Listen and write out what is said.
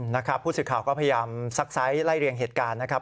นะครับผู้สื่อข่าวก็พยายามซักไซส์ไล่เรียงเหตุการณ์นะครับ